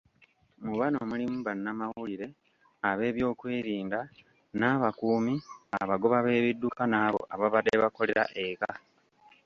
Mu bano mulimu bannamawulire, ab'ebyokwerinda, n'abakuumi, abagoba b'ebidduka n'abo ababadde bakolera eka.